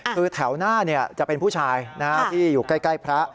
คือแถวหน้าจะเป็นผู้ชายที่อยู่ใกล้พระ